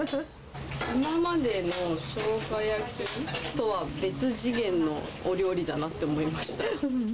今までのショウガ焼きとは別次元のお料理だなって思いました。